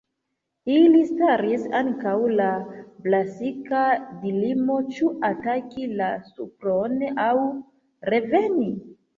Ili staris antaŭ la klasika dilemo: ĉu ataki la supron aŭ reveni?